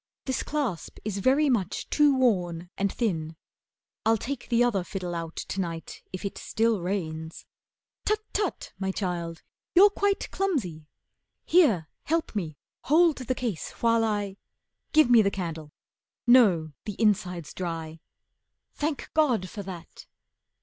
This clasp is very much too worn and thin. I'll take the other fiddle out to night If it still rains. Tut! Tut! my child, you're quite Clumsy. Here, help me, hold the case while I Give me the candle. No, the inside's dry. Thank God for that!